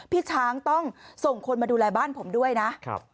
พี่ช้างต้องส่งคนมาดูแลบ้านผมด้วยนะครับ